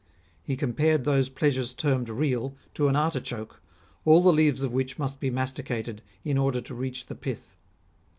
He compared those pleasures termed real to an artichoke, all the leaves of which must be masticated in order to reach the pith.